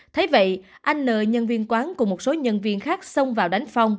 thế vậy anh n nhân viên quán cùng một số nhân viên khác xông vào đánh phong